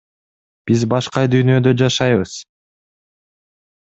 Биз башка дүйнөдө жашайбыз.